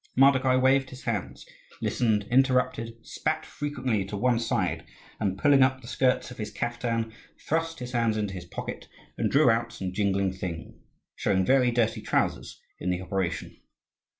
Mardokhai waved his hands, listened, interrupted, spat frequently to one side, and, pulling up the skirts of his caftan, thrust his hand into his pocket and drew out some jingling thing, showing very dirty trousers in the operation.